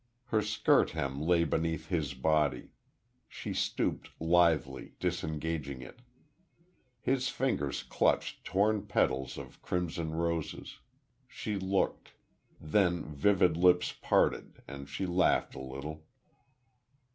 Her skirt hem lay beneath his body. She stooped, lithely, disengaging it. His fingers clutched torn petals of crimson roses.... She looked.... Then vivid lips parted, and she laughed, a little.